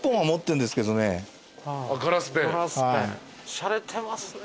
しゃれてますね。